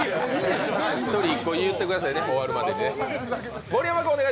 １人１個言ってくださいね終わるまでにね。